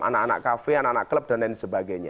anak anak kafe anak anak klub dan lain sebagainya